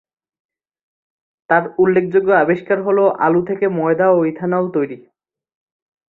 তার উল্লেখযোগ্য আবিষ্কার হল আলু থেকে ময়দা ও ইথানল তৈরি।